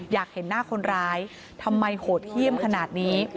อยากเห็นหน้าคนร้ายทำไมโหดเยี่ยมขนาดนี้